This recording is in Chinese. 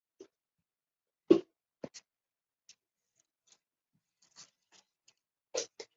它被藏在一个苏联送给美国驻莫斯科大使的礼物中。